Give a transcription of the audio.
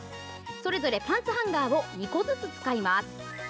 それぞれパンツハンガーを２個ずつ使います。